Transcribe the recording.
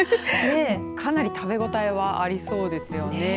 かなり食べごたえはありそうですよね。